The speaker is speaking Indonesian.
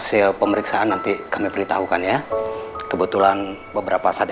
sampai jumpa di video selanjutnya